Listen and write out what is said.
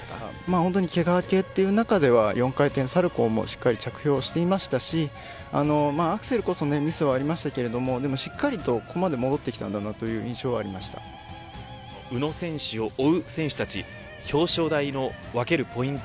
本当に、けが明けという中では４回転サルコウもしっかり着氷していましたしアクセルこそミスはありましたけどしっかりとここまで戻ってきたなという宇野選手を追う選手たち表彰台の分けるポイント